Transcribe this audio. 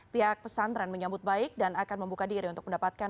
pihak pesantren menyambut baik dan akan membuka diri untuk mendapatkan